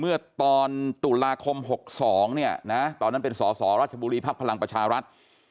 เมื่อตอนตุลาคม๖๒ตอนนั้นเป็นสรบภพลังประชารัฐ